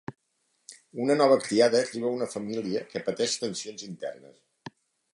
Una nova criada arriba a una família que pateix tensions internes.